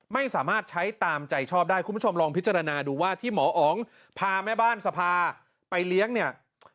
ไม่สามารถใช้ตามใจชอบได้คุณผู้ชมลองพิจารณาดูว่าที่หมออ๋องพาแม่บ้านสภาไปเลี้ยงเนี่ย